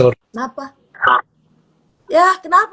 hai hmm apa nggak usah senyum senyum